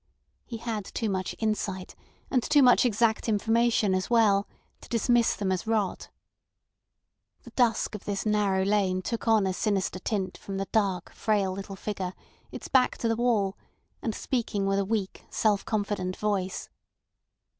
He had too much insight, and too much exact information as well, to dismiss them as rot. The dusk of this narrow lane took on a sinister tint from the dark, frail little figure, its back to the wall, and speaking with a weak, self confident voice.